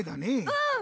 うん！